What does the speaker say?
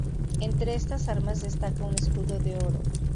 Entre estas armas destaca un escudo de oro.